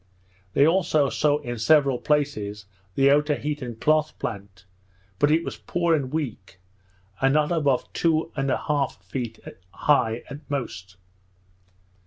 They also saw in several places the Otaheitean cloth plant, but it was poor and weak, and not above two and a half feet high at most.